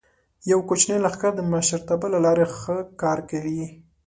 یو کوچنی لښکر د مشرتابه له لارې ښه کار کوي.